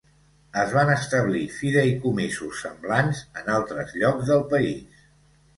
Es van establir fideïcomisos semblants en altres llocs del país.